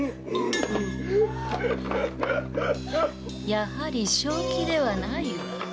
やはり正気ではないわ。